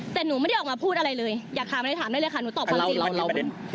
แต่หนูไม่ได้ออกมาพูดอะไรเลยอยากถามอะไรถามได้เลยค่ะหนูตอบความจริง